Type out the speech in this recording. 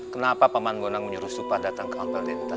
kenapa paman bonang menyuruh supa datang ke ampel lintah